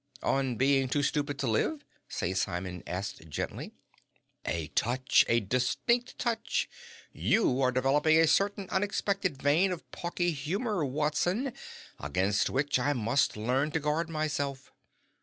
"On Being Too Stupid To Live?" St. Simon asked gently. "A touch! A distinct touch! You are developing a certain unexpected vein of pawky humor, Watson, against which I must learn to guard myself."